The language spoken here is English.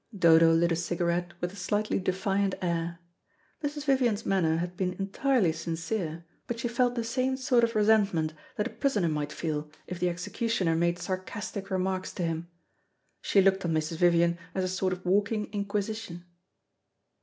Dodo lit a cigarette with a slightly defiant air. Mrs. Vivian's manner had been entirely sincere, but she felt the same sort of resentment that a prisoner might feel if the executioner made sarcastic remarks to him. She looked on Mrs. Vivian as a sort of walking Inquisition.